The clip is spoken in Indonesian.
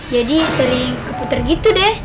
jadi sering terputar begitu